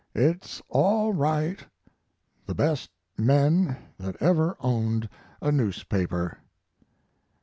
It's all right.' The best men that ever owned a newspaper."